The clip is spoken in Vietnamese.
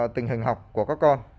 tình hình học của các con